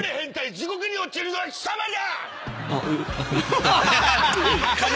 地獄に落ちるのは貴様だ！